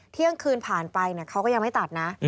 เที่ยงคืนผ่านไปเขาก็ยังไม่ตัดนะ